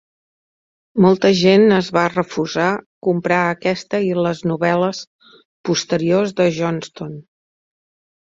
Molta gent es va refusar comprar aquesta i les novel·les posteriors de Johnston.